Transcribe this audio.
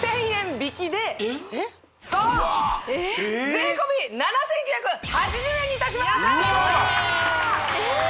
税込７９８０円にいたしますうわっ！